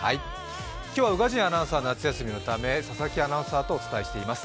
今日は宇賀神アナウンサーは夏休みのため、佐々木アナウンサーとお伝えしています。